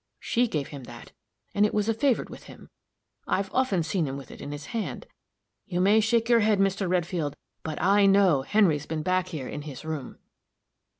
She gave him that, and it was a favorite with him; I've often seen him with it in his hand. You may shake your head, Mr. Redfield, but I know Henry's been back here in his room."